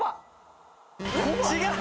違う。